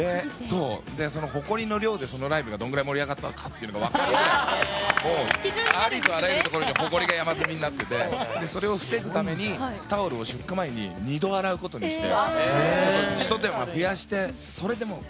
ほこりの量でそのライブがどのくらい盛り上がったのか分かるくらいありとあらゆるところにほこりが山積みになっていてそれを防ぐためにタオルを２度洗うことにして。